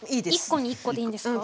１個に１個でいいんですか？